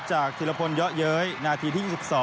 ธิรพลเยอะเย้ยนาทีที่๒๒